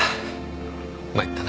参ったな。